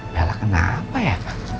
bella kenapa ya